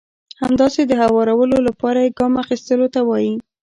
همداسې د هوارولو لپاره يې ګام اخيستلو ته وایي.